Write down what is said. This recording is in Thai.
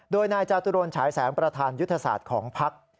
โดยนายจาตุรนฉายแสงประธานยุทธศาสตร์ของพัก